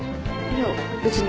いや別に。